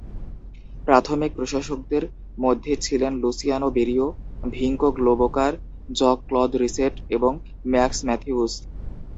প্রাথমিক প্রশাসকদের মধ্যে ছিলেন Luciano Berio, Vinko Globokar, Jean-Claude Risset এবং ম্যাক্স ম্যাথিউস।